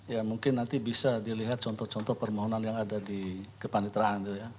ya mungkin nanti bisa dilihat contoh contoh permohonan yang ada di kepanitraan